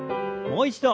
もう一度。